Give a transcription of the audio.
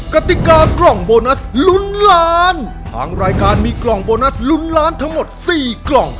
กติกากล่องโบนัสลุ้นล้านทางรายการมีกล่องโบนัสลุ้นล้านทั้งหมดสี่กล่อง